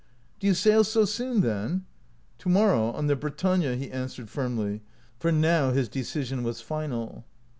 " Do you sail so soon, then? "" To morrow, on the" ' Bretagne,' " he an swered, firmly, for now his decision was final.